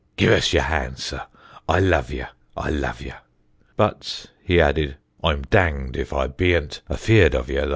"Give us yer hand, sir, I love ye, I love ye," but, he added, "I'm danged if I beant afeared of ye, though."